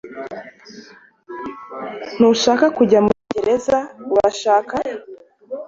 Ntushaka kujya muri gereza, urashaka?